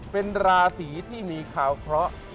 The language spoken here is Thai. เป็นราศีที่มีข่าวเคราะห์